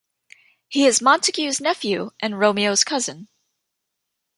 He is Montague's nephew and Romeo's cousin.